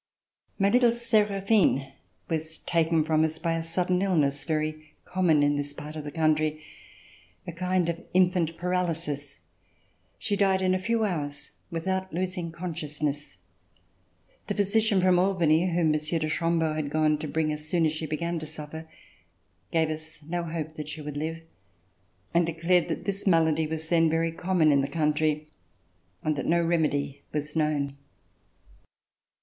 My little Seraphine was taken from us by a sudden illness very common in this part of the country — a kind of infant paralysis. She died in a few hours without losing consciousness. The physician from Albany, whom Monsieur de Chambeau had gone to bring, as soon as she began to suffer, gave us no hope that she would live and declared that this malady wa's then very common in the country and that no remedy was known.